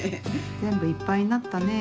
ぜんぶいっぱいになったね。